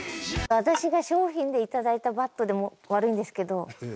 私が賞品で頂いたバットで悪いんですけど。